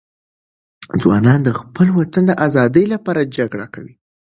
ځوانان د خپل وطن د آزادي لپاره جګړه کوي.